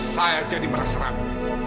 saya jadi merasa rame